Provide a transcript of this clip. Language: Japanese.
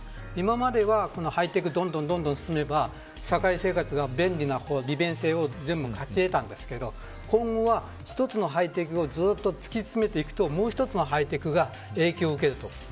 今まではハイテク、どんどん進めれば社会生活が便利な方に利便性を全部勝ちえたんですけど今後は、一つのハイテクをずっと突き詰めていくともう一つのハイテクが影響を受けると。